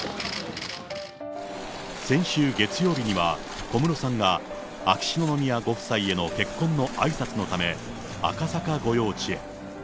先週月曜日には、小室さんが秋篠宮ご夫妻への結婚のあいさつのため、赤坂御用地へ。